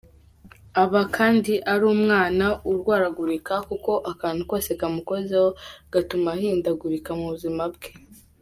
Aba kandi ari umwana urwaragurika kuko akantu kose kamukozeho gatuma ahindagurika mu buzima bwe.